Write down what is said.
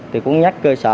thì cũng nhắc cơ sở